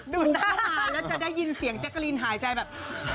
ดูท่าทางแล้วจะได้ยินเสียงแจ๊กกะลีนหายใจแบบ